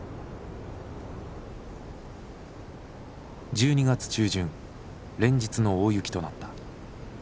１２月中旬連日の大雪となった。